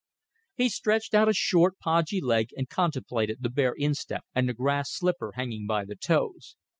He stretched out a short, podgy leg and contemplated the bare instep and the grass slipper hanging by the toes.